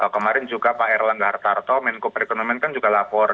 kemarin juga pak erlangga hartarto menko perekonomian kan juga lapor